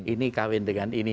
ini kawin dengan ini